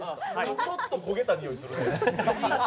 ちょっと焦げたにおいするね。